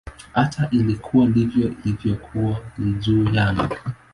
Hata ikiwa ndivyo ilivyokuwa, ni juu yangu.